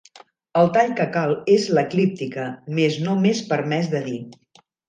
El tall que cal és l'eclíptica, més no m'és permès de dir.